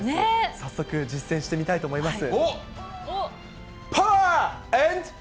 早速、実践してみたいと思います。